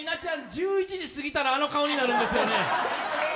１１時過ぎたらあの顔になるんですよね。